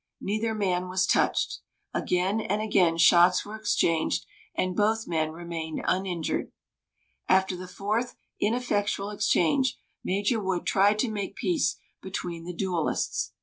Neither man was touched. Again and again shots were exchanged, and both men remained uninjured. After the fourth ineffectual exchange Major Wood tried to make peace between the duellists.